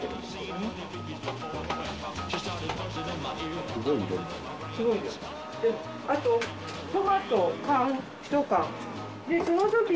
すごい量。